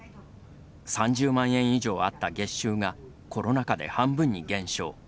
３０万円以上あった月収がコロナ禍で半分に減少。